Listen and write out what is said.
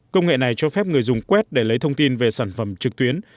công nghệ này cho phép người dùng quét để lấy thông tin về sản phẩm trực tuyến